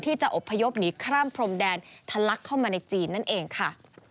ที่จะอบพยพหนีข้ามพรมแดนทะลักเข้ามาในจีนนั่นเองค่ะ